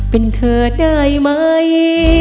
เป็นเธอได้ไหม